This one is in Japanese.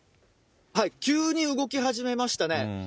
急に動き始めましたね。